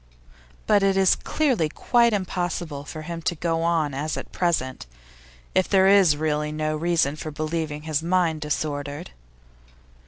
But it is clearly quite impossible for him to go on as at present if there is really no reason for believing his mind disordered.